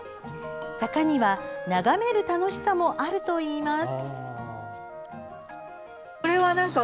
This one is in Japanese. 坂には眺める楽しさもあるといいます。